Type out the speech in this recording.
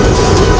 itu udah gila